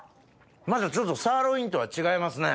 またちょっとサーロインとは違いますね。